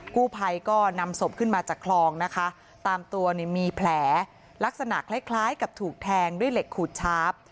กู้ภัยก็นำศพขึ้นมาจากคลองนะคะตามตัวเนี่ยมีแผลลักษณะคล้ายคล้ายกับถูกแทงด้วยเหล็กขูดชาร์ฟ